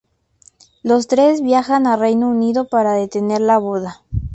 Los tres viajan a Reino Unido para detener la boda.